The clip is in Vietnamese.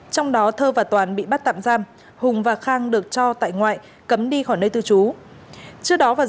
trong đó thơ và toàn bị bắt tạm giam hùng và khang được cho tại ngoại cấm đi khỏi nơi cư trú